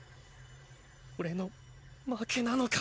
俺の負けなのか？